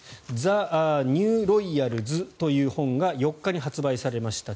「ザ・ニューロイヤルズ」という本が４日に発売されました。